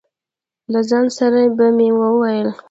له ځان سره به مې وویل.